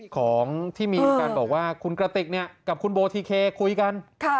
ของที่มีการบอกว่าคุณกระติกกับคุณโบทิเคคุยกัน